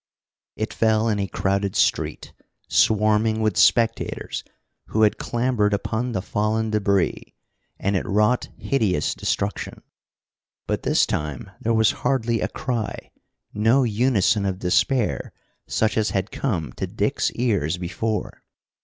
It fell in a crowded street, swarming with spectators who had clambered upon the fallen débris, and it wrought hideous destruction. But this time there was hardly a cry no unison of despair such as had come to Dick's ears before.